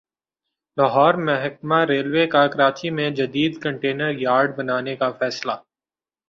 لاہور محکمہ ریلوے کا کراچی میں جدید کنٹینر یارڈ بنانے کا فیصلہ